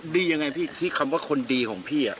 ดียังไงพี่ที่คำว่าคนดีของพี่